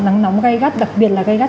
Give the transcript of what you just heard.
nắng nóng gây gắt đặc biệt là gây gắt